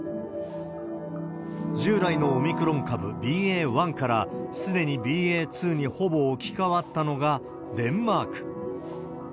従来のオミクロン株、ＢＡ．１から、すでにＢＡ．２にほぼ置き換わったのがデンマーク。